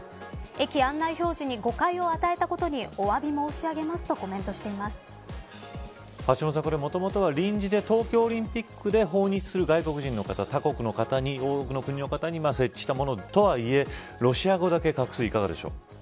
駅案内表示に誤解を与えたことにおわび申し上げますと橋下さん、もともとはこれは臨時で東京オリンピックで訪日する外国人の方に多くの国の方に設置したものとはいえロシア語だけ隠すいかがでしょう。